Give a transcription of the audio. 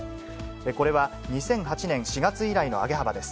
これは２００８年４月以来の上げ幅です。